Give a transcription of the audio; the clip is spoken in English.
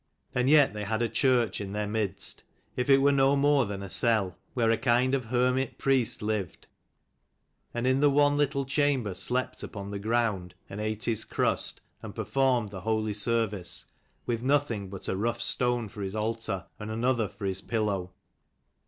And yet they had a church in their midst, if it were no more than a cell; where a kind of hermit priest lived, and in the one little chamber slept upon the ground, and ate his crust, and performed the holy service, with nothing but a rough stone for his altar and another for his pillow.